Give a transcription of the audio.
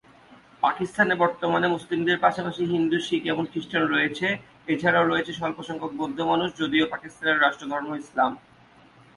পাকিস্তানে বর্তমানে মুসলিমদের পাশাপাশি হিন্দু, শিখ এবং খ্রিস্টান রয়েছে, এছাড়াও রয়েছে স্বল্পসংখ্যক বৌদ্ধ মানুষ, যদিও পাকিস্তানের রাষ্ট্রধর্ম ইসলাম।